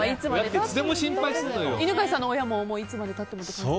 犬飼さんの親もいつまで経っても？